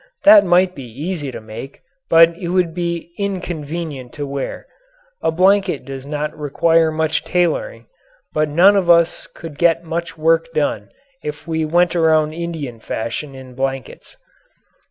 That might be easy to make but it would be inconvenient to wear. A blanket does not require much tailoring, but none of us could get much work done if we went around Indian fashion in blankets.